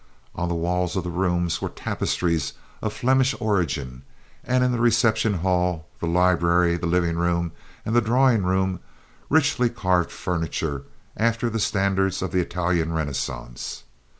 On the walls of the rooms were tapestries of Flemish origin, and in the reception hall, the library, the living room, and the drawing room, richly carved furniture after the standards of the Italian Renaissance.